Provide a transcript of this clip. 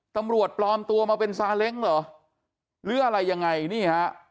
ตำรวจปลอมตัวมาเป็นซาเล้งเหรอหรืออะไรยังไงนี่ฮะ